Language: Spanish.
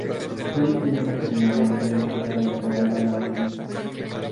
Fue el primer entrenador de la historia del Real Valladolid.